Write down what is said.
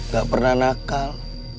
gak pernah nakal